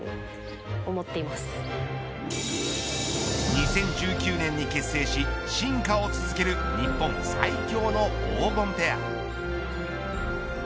２０１９年に結成し進化を続ける日本最強の黄金ペア。